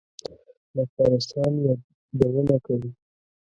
د افغانستان یادونه کوي.